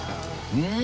うん！